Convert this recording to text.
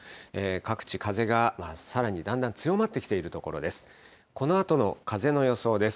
各地、風がさらにだんだん強まってきているところです。